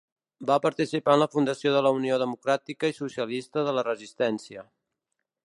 Va participar en la fundació de la Unió democràtica i socialista de la Resistència.